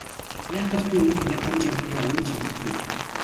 Яах гэж би үүнийг авч явдгаа өөрөө ч мэддэггүй юм.